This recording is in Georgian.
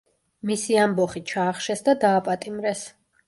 მისი ამბოხი ჩაახშეს და დააპატიმრეს.